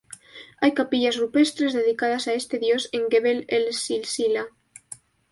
Hay capillas rupestres dedicadas a este dios en Gebel el-Silsila.